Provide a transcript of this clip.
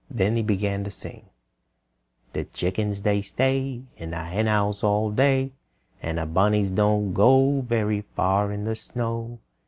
Then he began to sing: "The chickens they stay In the Henhouse all day; And the bunnies don't go Very far in the snow.